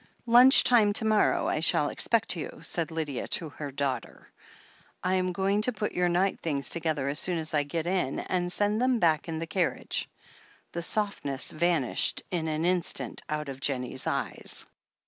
"Lunch time to morrow I shall expect you," said Lydia to her daughter. "I am going to put your night things together as soon as I get in, and send them back in the carriage." The softness vanished in an instant out of Jennie's eyes.